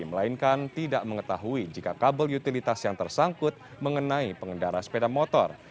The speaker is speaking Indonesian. melainkan tidak mengetahui jika kabel utilitas yang tersangkut mengenai pengendara sepeda motor